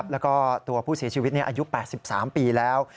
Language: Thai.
แล้วก็ตัวผู้เสียชีวิตอายุ๘๓ปีแล้ว